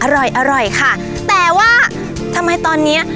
อร่อยอร่อยค่ะแต่ว่าทำไมตอนเนี้ย